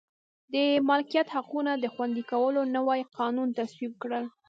د مالکیت حقونو د خوندي کولو نوي قوانین تصویب کړل.